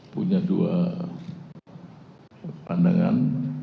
punya dua pandangan